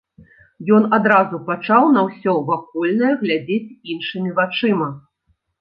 Ён адразу пачаў на ўсё вакольнае глядзець іншымі вачыма.